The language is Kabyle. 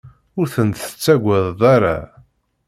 Ur ten-tettagadeḍ ara.